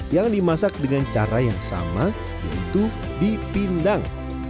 yang dimasak dengan cara yang sama yaitu dipindang